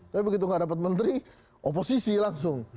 tapi begitu gak dapet menteri oposisi langsung